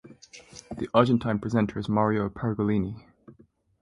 The Argentine presenter is Mario Pergolini.